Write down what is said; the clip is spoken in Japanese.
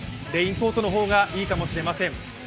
レインコートの方がいいかもしれません。